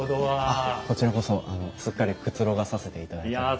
あっこちらこそすっかりくつろがさせていただいてます。